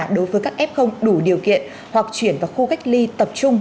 đối với các f đủ điều kiện hoặc chuyển vào khu cách ly tập trung